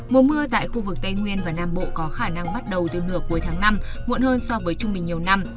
mùa mưa tại khu vực tây nguyên và nam bộ có khả năng bắt đầu từ nửa cuối tháng năm muộn hơn so với trung bình nhiều năm